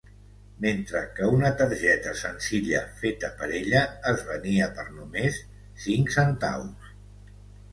Mentre que una targeta senzilla feta per ella es venia per només cinc centaus.